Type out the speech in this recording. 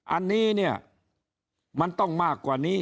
อันนี้เนี่ยมันต้องมากกว่านี้